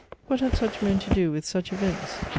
What had such men to do with such events?